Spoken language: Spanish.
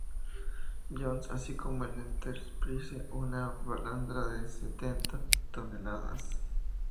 Johns, así como el "Enterprise", una balandra de setenta toneladas.